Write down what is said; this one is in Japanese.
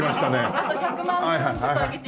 あと１００万分ちょっと上げて頂いて。